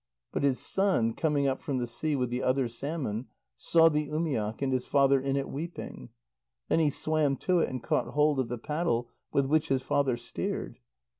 But his son, coming up from the sea with the other salmon, saw the umiak, and his father in it, weeping. Then he swam to it, and caught hold of the paddle with which his father steered.